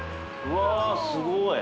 わすごい。